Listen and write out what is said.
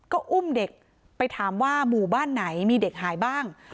ก็อุ้มเด็กไปถามว่าหมู่บ้านไหนมีเด็กหายบ้าง